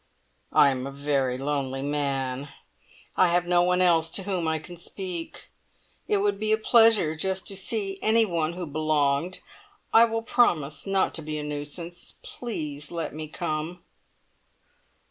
"I am a very lonely man. I have no one else to whom I can speak. It would be a pleasure just to see anyone who belonged I will promise not to be a nuisance. Please let me come!"